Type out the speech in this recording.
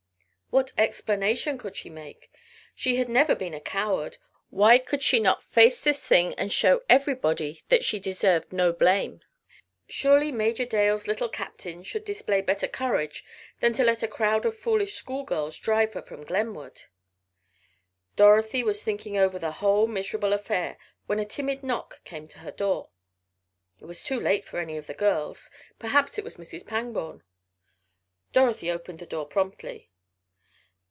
What explanation could she make? She had never been a coward, why could she not face this thing and show everybody that she deserved no blame? Surely Major Dale's Little Captain should display better courage than to let a crowd of foolish schoolgirls drive her from Glenwood! Dorothy was thinking over the whole miserable affair when a timid knock came to her door. It was too late for any of the girls perhaps it was Mrs. Pangborn! Dorothy opened the door promptly.